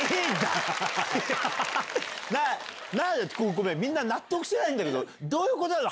ごめんみんな納得してないんだけどどういうことなの？